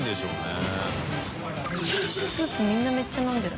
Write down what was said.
スープみんなめっちゃ飲んでる。